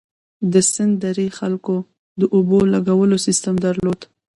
د سند درې خلکو د اوبو لګولو سیستم درلود.